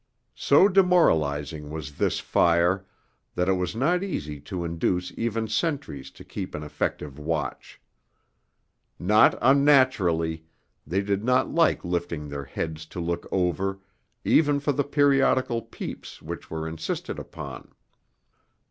So demoralizing was this fire that it was not easy to induce even sentries to keep an effective watch. Not unnaturally, they did not like lifting their heads to look over, even for the periodical peeps which were insisted upon.